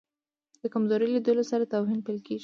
د کمزوري لیدلو سره توهین پیل کېږي.